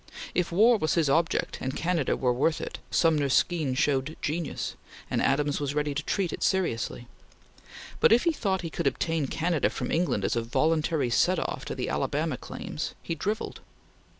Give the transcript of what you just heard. If war was his object, and Canada were worth it, Sumner's scheme showed genius, and Adams was ready to treat it seriously; but if he thought he could obtain Canada from England as a voluntary set off to the Alabama Claims, he drivelled.